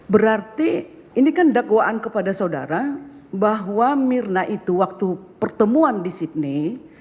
berarti ini kan dakwaan kepada saudara bahwa mirna itu waktu pertemuan di sydney